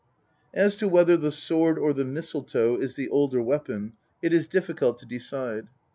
As to whether the sword or the mistletoe is the older weapon it is difficult to decide.